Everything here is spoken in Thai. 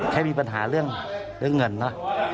แค่มีปัญหาเรื่องเงินนะ